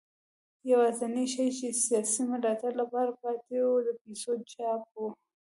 یوازینی شی چې د سیاسي ملاتړ لپاره پاتې و د پیسو چاپ و.